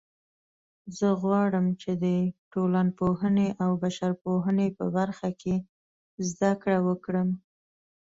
زه غواړم چې د ټولنپوهنې او بشرپوهنې په برخه کې زده کړه وکړم